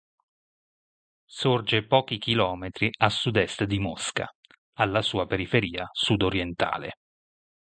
Sorge pochi chilometri a sudest di Mosca, alla sua periferia sudorientale.